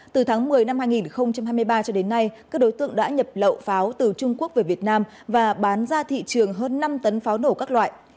từ tháng một mươi năm hai nghìn hai mươi ba cho đến nay các đối tượng đã nhập lậu pháo từ trung quốc về việt nam và bán ra thị trường hơn năm tấn pháo nổ các loại